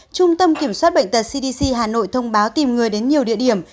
trung tâm kiểm soát bệnh tật cdc hà nội thông báo tìm người đến nhiều địa điểm